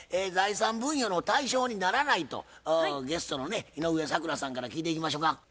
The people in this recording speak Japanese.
財産分与の対象にならないとゲストのね井上咲楽さんから聞いていきましょか。